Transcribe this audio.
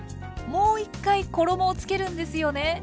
もう１回衣をつけるんですよね？